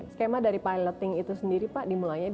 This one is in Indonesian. skema dari piloting itu sendiri pak dimulainya